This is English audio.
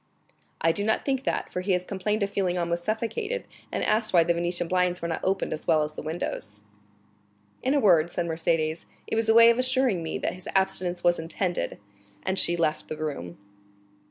"I do not think that, for he has complained of feeling almost suffocated, and asked why the Venetian blinds were not opened as well as the windows." "In a word," said Mercédès, "it was a way of assuring me that his abstinence was intended." And she left the room.